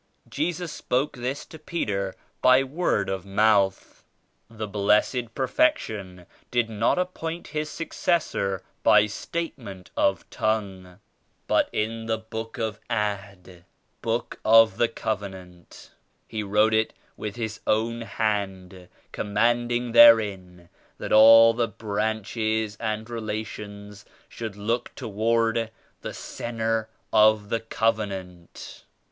Jesus spoke this to Peter by word of mouth. The B Jessed Perfection did not appoint His successor by statement of tongue, but in the 'Book of Ahd' ('Book of the Coven ant*), He wrote it with His own Hand, com manding therein that all the branches and re lations should look toward the Centre of the 62 Covenant.